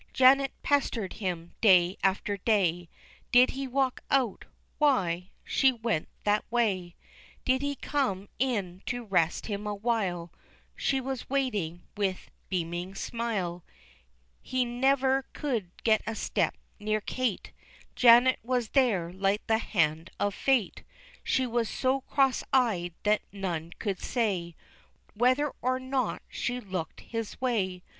Janet pestered him day after day, Did he walk out, why, she went that way, Did he come in to rest him awhile, She was waiting with beaming smile; He never could get a step nearer Kate, Janet was there like the hand of fate. She was so cross eyed, that none could say Whether or not she looked his way.